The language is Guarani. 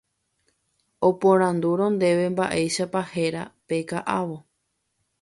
oporandúrõ ndéve mba'éichapa héra pe ka'avo